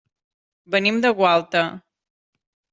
Venim de Gualta.